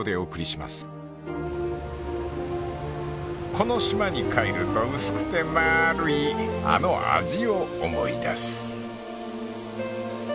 ［この島に帰ると薄くてまるいあの味を思い出す］